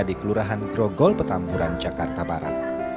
di kelurahan grogol petamburan jakarta barat